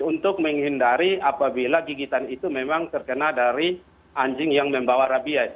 untuk menghindari apabila gigitan itu memang terkena dari anjing yang membawa rabies